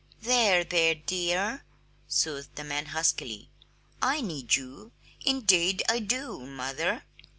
"There, there, dear," soothed the man huskily. "I need you, indeed I do, mother."